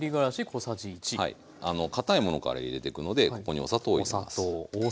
かたいものから入れてくのでここにお砂糖を入れます。